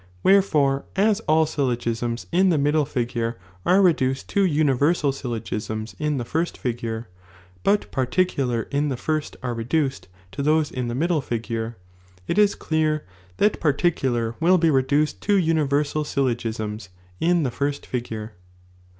Wherefore, aa all syllogisms in ihe middle figure are reduced to nniversal syllogisms in the first figure, but particular in the first are reduced to those in the middle figure, it is clear that particular will he reduced to nniversal syllogisms in the first figure.